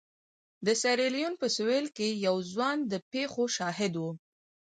د سیریلیون په سوېل کې یو ځوان د پېښو شاهد و.